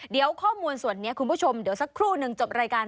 เดี๋ยวข้อมูลส่วนนี้คุณผู้ชมเดี๋ยวสักครู่หนึ่งจบรายการ